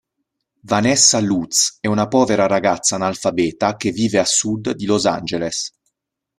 Vanessa Lutz è una povera ragazza analfabeta che vive a sud di Los Angeles.